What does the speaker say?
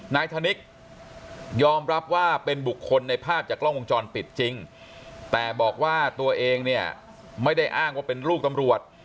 นายธนิกยอมรับว่าเป็นบุคคลในภาพจากกล้องวงจรปิดจริงแต่บอกว่าตัวเองเนี่ยไม่ได้อ้างว่าเป็นลูกตำรวจ